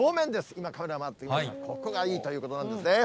今、カメラ回ってますが、ここがいいということなんですね。